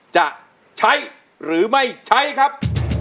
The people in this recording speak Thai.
จะใช้หรือไม่ใช้ครับ